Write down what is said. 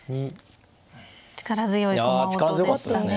力強い駒音でしたね。